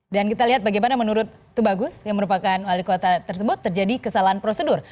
dan kita lihat bagaimana menurut tugagus yang merupakan wali kota tersebut terjadi kesalahan prosedur